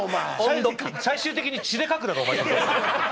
最終的に血で書くだろお前。